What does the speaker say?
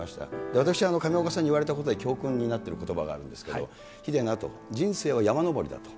私、上岡さんに言われたことで教訓になっていることがあるんですけど、ヒデな、と、人生は山登りだと。